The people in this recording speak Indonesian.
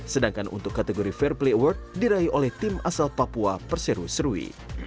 sedangkan untuk kategori fair play award diraih oleh tim asal papua perseru serui